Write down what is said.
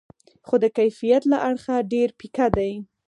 خو د کیفیت له اړخه ډېر پیکه دي.